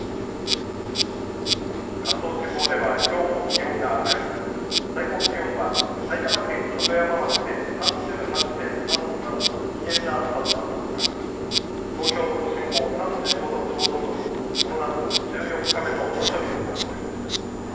関東地方ではきょうも気温が上がり最高気温は埼玉県鳩山町で３８．３度などと危険な暑さとなったほか東京の都心も３５度ちょうどとこの夏１４日目の猛暑日を観測しました。